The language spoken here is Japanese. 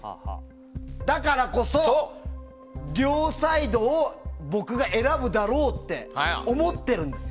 だからこそ、両サイドを僕が選ぶだろうって思ってるんです。